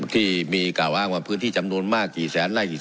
ที่มีกล่าวอ้างว่าพื้นที่จำนวนมากกี่แสนไล่